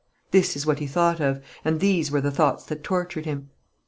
This is what he thought of, and these were the thoughts that tortured him.